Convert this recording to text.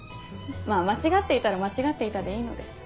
まぁ間違っていたら間違っていたでいいのです。